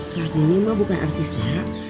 saharini mah bukan artis tak